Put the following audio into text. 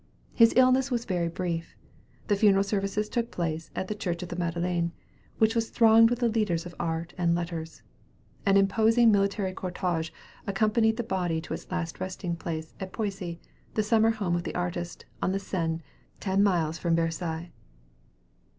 His illness was very brief. The funeral services took place at the Church of the Madeleine, which was thronged with the leaders of art and letters. An imposing military cortege accompanied the body to its last resting place at Poissy, the summer home of the artist, on the Seine, ten miles from Versailles.